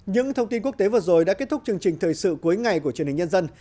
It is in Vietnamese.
những thông tin quốc tế vừa rồi đã kết thúc chương trình thời sự cuối ngày của truyền hình nhân dân